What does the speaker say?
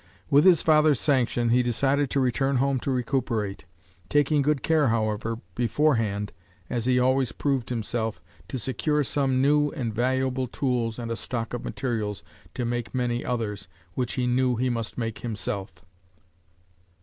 With his father's sanction, he decided to return home to recuperate, taking good care however, forehanded as he always proved himself, to secure some new and valuable tools and a stock of materials to make many others, which "he knew he must make himself."